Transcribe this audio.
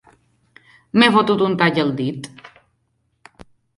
M'he fotut un tall al dit.